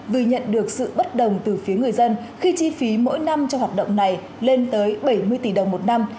vì nhận được sự bất đồng từ phía người dân khi chi phí mỗi năm cho hoạt động này lên tới bảy mươi tỷ đồng một năm